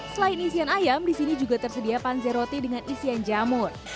selain isian ayam di sini juga tersedia panze roti dengan isian jamur